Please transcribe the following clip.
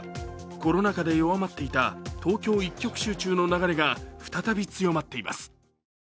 コロナ禍で弱まっていた東京一極集中の流れが再び強まっています。